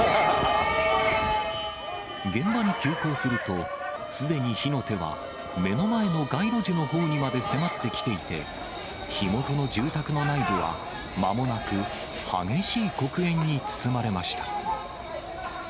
現場に急行すると、すでに火の手は目の前の街路樹のほうにまで迫ってきていて、火元の住宅の内部はまもなく激しい黒煙に包まれました。